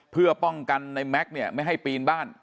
เพื่อป้องกันลุงแม็กซ์ไม่ให้ปีนบ้าน